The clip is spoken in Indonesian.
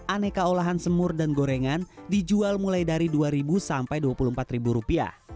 aneka olahan semur dan gorengan dijual mulai dari rp dua sampai rp dua puluh empat